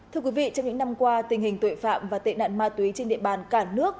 thưa quý vị trong những năm qua tình hình tội phạm và tệ nạn ma túy trên địa bàn cả nước